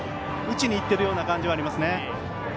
打ちにいってるような感じがありますね。